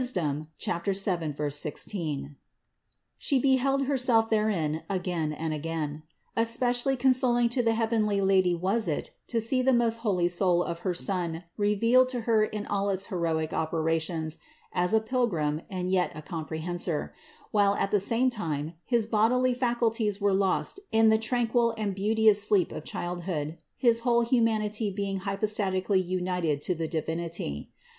7, 16), She beheld Herself therein again and again. Especially consoling to the heavenly Lady was it to see the most holy Soul of her Son revealed to Her in all its heroic operations as a Pil grim and yet a Comprehensor, while at the same time his bodily faculties were lost in the tranquil and beauteous sleep of childhood, his whole humanity being hypostatic ally united to the Divinity.